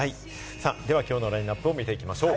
ではきょうのラインナップを見ていきましょう。